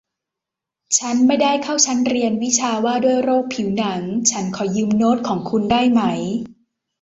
ชั้นไม่ได้เข้าชั้นเรียนวิชาว่าด้วยโรคผิวหนัง ฉันขอยืมโน้ตของคุณได้ไหม